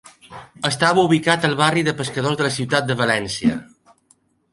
Estava ubicat al barri de Pescadors de la ciutat de València.